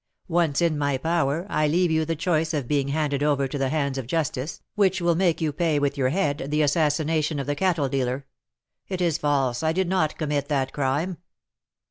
Once in my power, I leave you the choice of being handed over to the hands of justice, which will make you pay with your head the assassination of the cattle dealer " "It is false! I did not commit that crime."